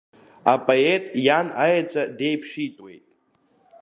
Апоет иан аеҵәа деиԥшитәуеит.